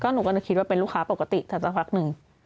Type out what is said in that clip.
หนูก็จะคิดว่าเป็นลูกค้าปกติแต่สักพักหนึ่ง